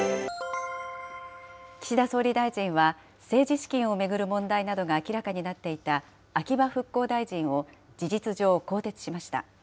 岸田総理大臣は、政治資金を巡る問題などが明らかになっていた秋葉復興大臣を事実上、更迭しました。